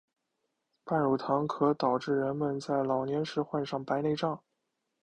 半乳糖可导致人们在老年时患上白内障。